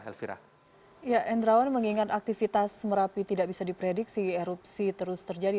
elvirawan mengingat aktivitas merapi tidak bisa diprediksi erupsi terus terjadi